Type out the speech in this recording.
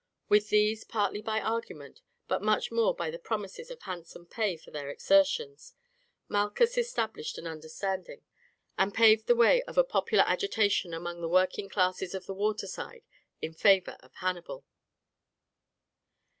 With these, partly by argument, but much more by the promises of handsome pay for their exertions, Malchus established an understanding, and paved the way for a popular agitation among the working classes of the waterside in favour of Hannibal.